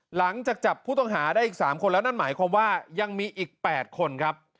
หลังจากจับผู้ต้องหาได้อีก๓คนแล้วนั่นหมายความว่ายังมีอีก๘คนครับ